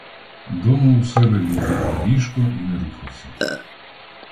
Дома у себе він ліг на ліжко і не рухався.